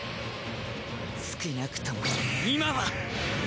少なくとも今は！